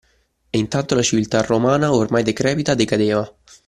E intanto la civiltà romana, ormai decrepita, decadeva